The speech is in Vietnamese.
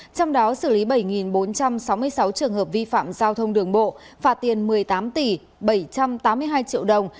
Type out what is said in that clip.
trong đó xử lý bảy bốn trăm sáu mươi sáu trường hợp vi phạm giao thông đường bộ phạt tiền một mươi tám tỷ bảy trăm tám mươi hai triệu đồng